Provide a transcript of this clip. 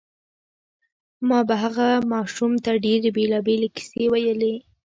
ما به هغه ماشوم ته ډېرې بېلابېلې کیسې ویلې